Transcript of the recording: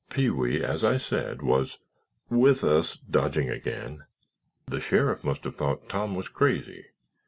"Pee wee, as I said, was—with us (dodging again). The sheriff must have thought Tom was crazy.